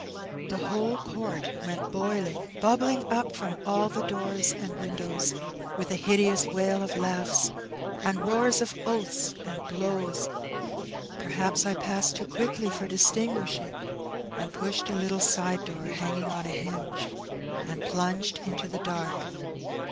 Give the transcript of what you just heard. The whole oonrt Went boiling, bubbling up from all the doors And wtndovra, irith a hideous wail of langha And Toar of oatJia, and blows, perhaps .... I passed Too qaiokl^ for diBtangnieliing, .... and pnahed A little aide door hanging on a hinge. And plnnged into the dark.